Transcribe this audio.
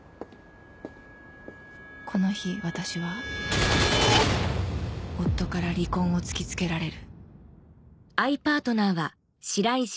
この日私は夫から離婚を突き付けられる